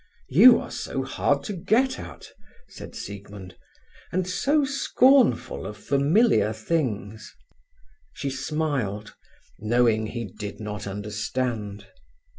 "You are so hard to get at," said Siegmund. "And so scornful of familiar things." She smiled, knowing he did not understand.